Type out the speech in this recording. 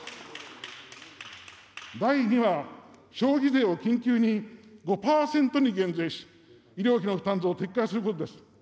第２は、消費税を緊急に５％に減税し、医療費の負担増を撤回することです。